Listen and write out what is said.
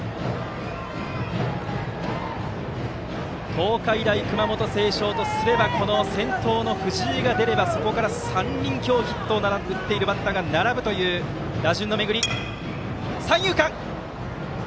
東海大熊本星翔とすればこの先頭の藤井が出ればそこから３人今日ヒットを打っている選手が並ぶという打順の巡り。